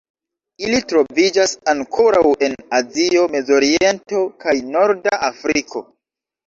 Ili troviĝas ankoraŭ en Azio, Mezoriento kaj Norda Afriko.